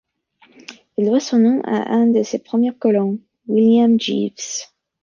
Elle doit son nom à un de ses premiers colons, William Geeves.